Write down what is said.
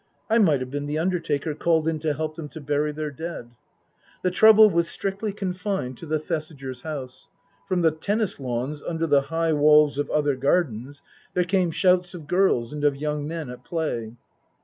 I might have been the undertaker called in to help them to bury their dead. The trouble was strictly confined to the Thesigers' house. From the tennis lawns under the high walls of other gardens there came shouts of girls and of young men at play.